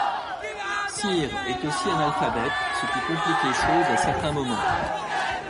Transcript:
Cyr est aussi analphabète, ce qui complique les choses à certains moments.